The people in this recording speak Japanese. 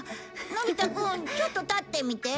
のび太くんちょっと立ってみて。